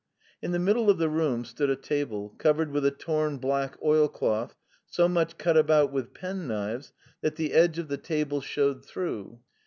In the middle of the room stood a table, covered with a torn black oilcloth so much cut about with penknives that the edge of the table showed through.